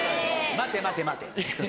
待て待て待て。